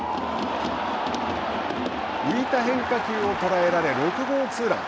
浮いた変化球を捉えられ６号ツーラン。